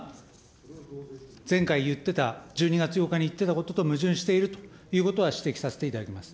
前回言ってた１２月８日に言ってたことと矛盾しているということは指摘させていただきます。